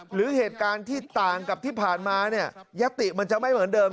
หรือเหตุการณ์ที่ต่างกับที่ผ่านมาเนี่ยยติมันจะไม่เหมือนเดิม